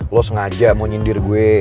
lo sengaja mau nyindir gue